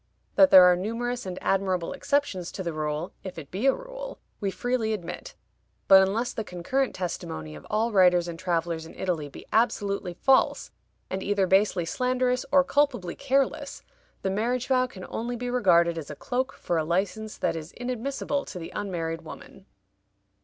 That there are numerous and admirable exceptions to the rule, if it be a rule, we freely admit; but, unless the concurrent testimony of all writers and travelers in Italy be absolutely false, and either basely slanderous or culpably careless, the marriage vow can only be regarded as a cloak for a license that is inadmissible to the unmarried woman.